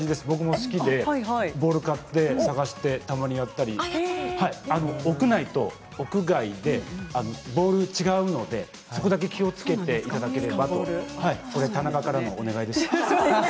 僕も好きでボールを買って探してたまにやったり屋内と屋外でボールが違うのでそこだけ気をつけていただければこれは田中からのお願いです。